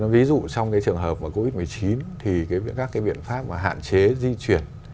ví dụ trong cái trường hợp mà covid một mươi chín thì các cái biện pháp mà hạn chế di chuyển